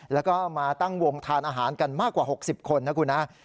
แล้วก็มาตั้งวงทานอาหารกันมากกว่า๖๐คนนะครับ